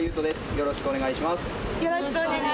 よろしくお願いします。